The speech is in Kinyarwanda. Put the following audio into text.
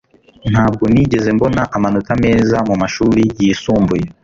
ntabwo nigeze mbona amanota meza mumashuri yisumbuye